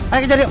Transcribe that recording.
ayo kejar yuk